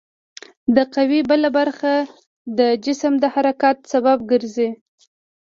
د قوې بله برخه د جسم د حرکت سبب ګرځي.